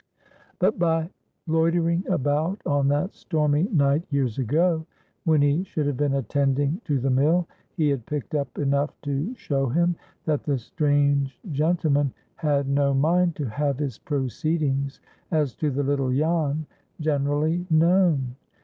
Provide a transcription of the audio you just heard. But by loitering about on that stormy night years ago, when he should have been attending to the mill, he had picked up enough to show him that the strange gentleman had no mind to have his proceedings as to the little Jan generally known.